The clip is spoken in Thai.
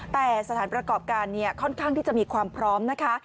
แต่สถานประกอบการค่อนข้างที่จะมีความพร้อมนะคะ